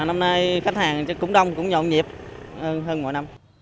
năm nay khách hàng cũng đông cũng nhộn nhịp hơn mỗi năm